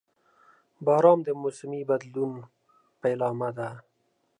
• باران د موسمي بدلون پیلامه ده.